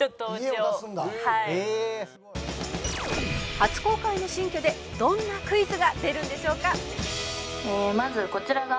「初公開の新居でどんなクイズが出るんでしょうか？」